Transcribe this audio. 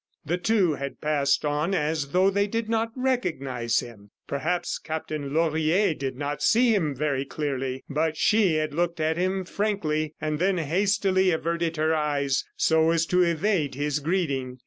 ... The two had passed on as though they did not recognize him. Perhaps Captain Laurier did not see very clearly, but she had looked at him frankly and then hastily averted her eyes so as to evade his greeting.